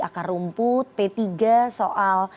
akar rumput p tiga soal